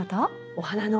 お花の。